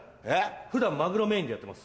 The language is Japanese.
普段マグロメインでやってます。